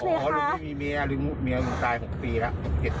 ลุกไม่มีเมียหรือว่าเมียลุกตาย๖๗ปีแล้ว